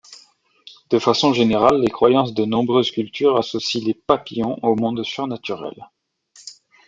De façon générale les croyances de nombreuses cultures associent les papillons au monde surnaturel.